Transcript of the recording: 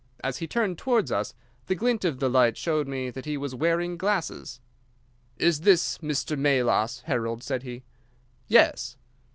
As he turned towards us the glint of the light showed me that he was wearing glasses. "'Is this Mr. Melas, Harold?' said he. "'Yes.